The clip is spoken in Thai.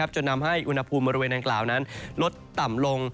จนทำให้อุณหภูมิบริเวณอังกล่าวนั้นลดต่ำลง